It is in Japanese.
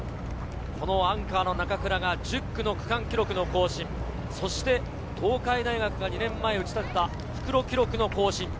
アンカーの中倉が１０区の区間記録の更新、そして東海大学が２年前打ち立てた復路記録の更新。